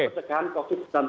pencegahan covid sembilan belas